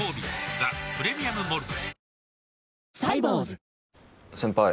「ザ・プレミアム・モルツ」